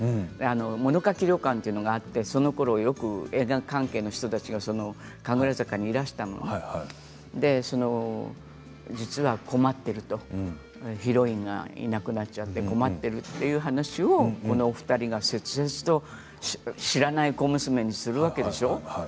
物書き旅館っていうのがあってそのころ映画関係の人たちが神楽坂にいらして実は困っているとヒロインがいなくなっちゃって困っているという話をこの２人が切々と知らない小娘にするわけでしょ。